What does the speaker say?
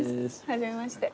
初めまして。